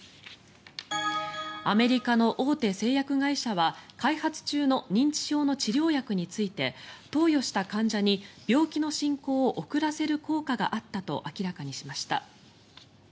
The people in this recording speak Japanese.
アメリカの大手製薬会社は開発中の認知症の治療薬について投与した患者に病気の進行を遅らせる効果があったと明らかにしました。